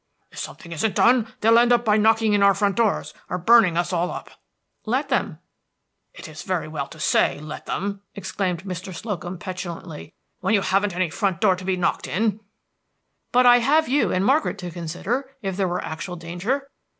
"If something isn't done, they'll end up by knocking in our front doors or burning us all up." "Let them." "It's very well to say let them," exclaimed Mr. Slocum, petulantly, "when you haven't any front door to be knocked in!" "But I have you and Margaret to consider, if there were actual danger.